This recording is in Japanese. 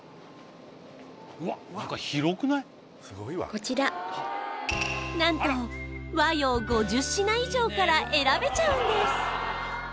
こちらなんと和洋５０品以上から選べちゃうんです